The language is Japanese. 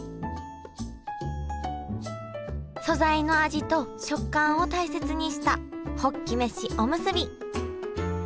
素材の味と食感を大切にしたホッキ飯おむすび。